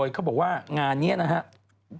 เขาบอกว่างานนี้นะครับ